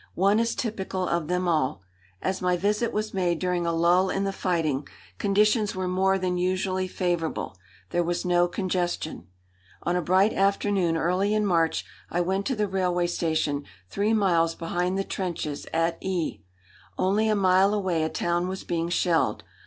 One is typical of them all. As my visit was made during a lull in the fighting, conditions were more than usually favourable. There was no congestion. On a bright afternoon early in March I went to the railway station three miles behind the trenches at E . Only a mile away a town was being shelled.